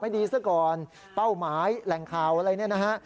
ดีซะก่อนเป้าหมายแหล่งข่าวอะไรเนี่ยนะฮะ